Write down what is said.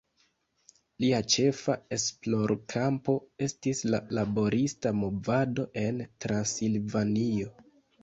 Lia ĉefa esplorkampo estis la laborista movado en Transilvanio.